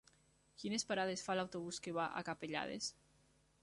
Quines parades fa l'autobús que va a Capellades?